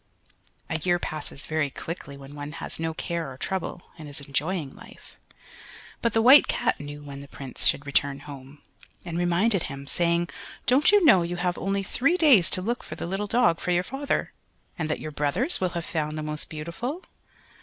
A year passes very quickly when one has no care or trouble, and is enjoying life. But the White Cat knew when the Prince should return home, and reminded him, saying, "Don't you know you have only three days to look for the little dog for your father, and that your brothers will have found the most beautiful?"